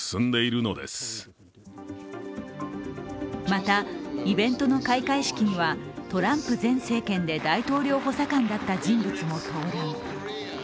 また、イベントの開会式にはトランプ前政権で大統領補佐官だった人物も登壇。